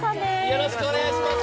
よろしくお願いします